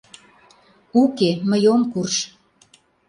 — Уке, мый ом курж.